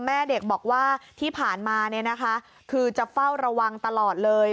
แม่เด็กบอกว่าที่ผ่านมาคือจะเฝ้าระวังตลอดเลย